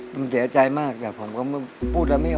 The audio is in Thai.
เป็นเสียใจมากแต่ผมพูดรัดไม่เอา